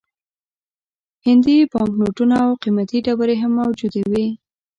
هندي بانک نوټونه او قیمتي ډبرې هم موجودې وې.